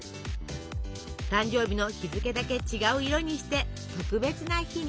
誕生日の日付だけ違う色にして特別な日に。